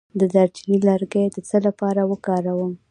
د دارچینی لرګی د څه لپاره وکاروم؟